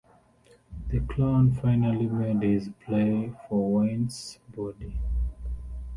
The Clown finally made his play for Wynn's body.